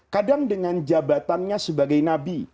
kadang dengan jabatannya sebagai nabi